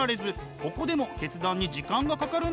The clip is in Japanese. ここでも決断に時間がかかるんだとか。